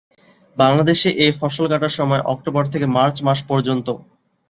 বাংলাদেশে এ ফসল কাটার সময় অক্টোবর থেকে মার্চ মাস পর্যন্ত।